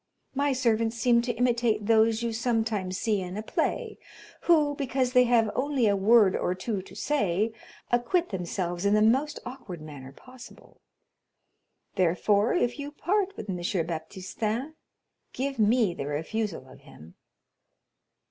My servants seem to imitate those you sometimes see in a play, who, because they have only a word or two to say, aquit themselves in the most awkward manner possible. Therefore, if you part with M. Baptistin, give me the refusal of him."